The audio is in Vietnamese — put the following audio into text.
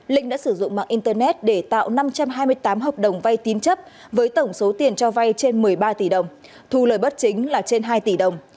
linh đã sử dụng mạng internet để tạo năm trăm hai mươi tám hợp đồng vay tín chấp với tổng số tiền cho vay trên một mươi ba tỷ đồng thu lời bất chính là trên hai tỷ đồng